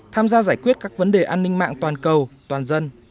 tham gia giải quyết các vấn đề an ninh mạng toàn cầu toàn dân